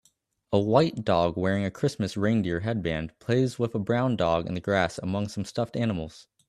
A white dog wearing a christmas reindeer headband plays with a brown dog in the grass among some stuffed animals